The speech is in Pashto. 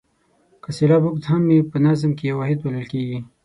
که سېلاب اوږد هم وي په نظم کې یو واحد بلل کیږي.